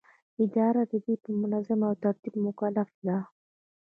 اداره د دې په تنظیم او ترتیب مکلفه ده.